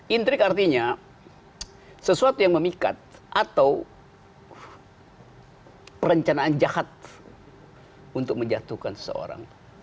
intrik artinya sesuatu yang memikat atau perencanaan jahat untuk menjatuhkan seseorang